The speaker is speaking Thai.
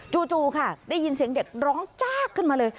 จู่ค่ะได้ยินเสียงเด็กร้องจากขึ้นมาเลย